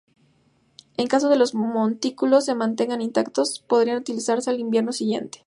En caso que los montículos se mantengan intactos, podrían utilizarse el invierno siguiente.